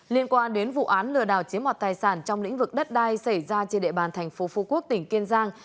liên quan đến vụ án lừa đào chiếm mọt tài sản trong lĩnh vực đất đai xảy ra trên đệ bàn thành phố phú quốc tỉnh kiên giang